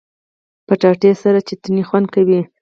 کچالو سره چټني خوند کوي